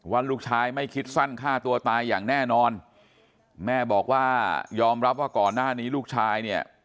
ว่าลูกชายไม่คิดสั้นฆ่าตัวตายอย่างแน่นอนแม่บอกว่ายอมรับว่าก่อนหน้านี้ลูกชายเนี่ย